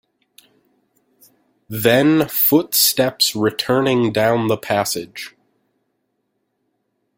Then footsteps returning down the passage.